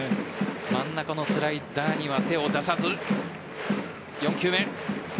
真ん中のスライダーには手を出さず４球目。